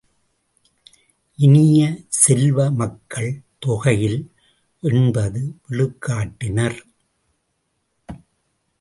இனிய செல்வ, மக்கள் தொகையில் எண்பது விழுக்காட்டினர்.